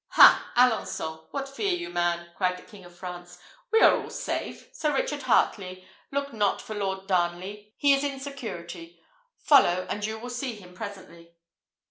"Ha, Alençon! what fear you, man?" cried the King of France. "We are all safe. Sir Richard Heartley, look not for Lord Darnley; he is in security: follow, and you will see him presently."